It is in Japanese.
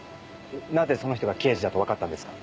なぜその人が刑事だと分かったんですか？